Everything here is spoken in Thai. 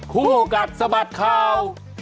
คู่โอกาสสะบัดเขา